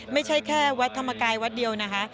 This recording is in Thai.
ไม่ใช่แค่วัดธรรมกายวัดเดียวนะคะ